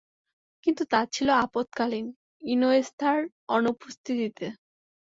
কিন্তু তা ছিল আপত্কালীন, ইনিয়েস্তার অনুপস্থিতিতে।